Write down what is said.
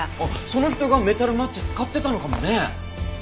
その人がメタルマッチ使ってたのかもね。